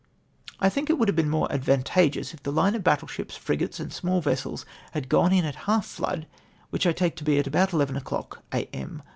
—" I think it would have been more advantageous if the 11} le of battle ships, frigates, and small vessels had gone in at half flood, which I take to be at about eleven o'clock a.m.